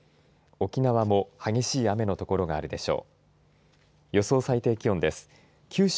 沖縄も激しい雨の所があるでしょう。